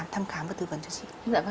thăm khám và tư vấn cho chị